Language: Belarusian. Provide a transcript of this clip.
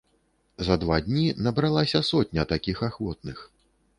За два дні набралася сотня такіх ахвотных.